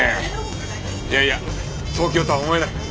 いやいや東京とは思えない。